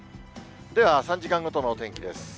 では、３時間ごとのお天気です。